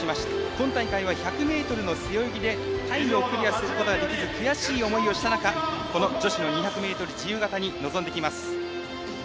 今大会は１００ｍの背泳ぎでタイムをクリアすることができず悔しい思いをした中この女子の２００ｍ自由形に臨んできます、白井。